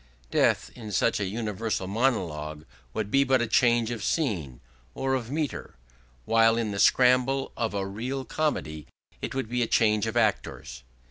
Death in such a universal monologue would be but a change of scene or of metre, while in the scramble of a real comedy it would be a change of actors.